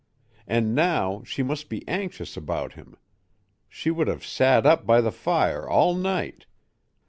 And now she must be anxious about him. She would have sat up by the fire all night....